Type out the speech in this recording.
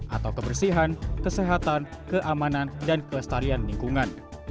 atau kebersihan kesehatan keamanan dan kelestarian lingkungan